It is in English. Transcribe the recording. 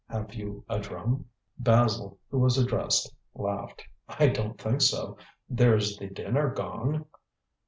Have you a drum?" Basil, who was addressed, laughed. "I don't think so. There's the dinner gong."